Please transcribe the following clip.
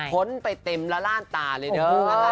้นไปเต็มละล่านตาเลยเด้อ